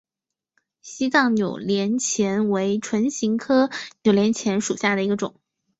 西藏扭连钱为唇形科扭连钱属下的一个种。